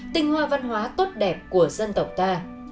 tinh hoa văn hóa tốt đẹp của dân tộc ta